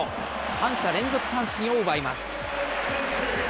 三者連続三振を奪います。